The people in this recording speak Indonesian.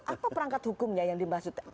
apa perangkat hukumnya yang dimaksud